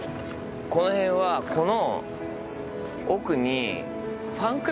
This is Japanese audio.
この辺はこの。